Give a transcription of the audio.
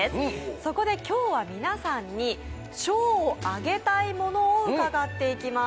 そこで今日は皆さんに、賞をあげたいものを伺っていきます。